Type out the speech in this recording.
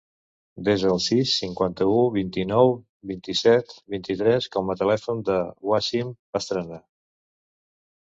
Desa el sis, cinquanta-u, vint-i-nou, vint-i-set, vint-i-tres com a telèfon del Wassim Pastrana.